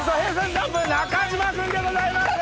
ＪＵＭＰ中島君でございます。